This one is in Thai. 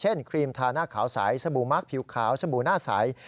ครีมทาหน้าขาวใสสบู่มักผิวขาวสบู่หน้าใส